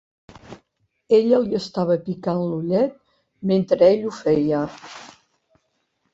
Ella li estava picant l'ullet mentre ell ho feia.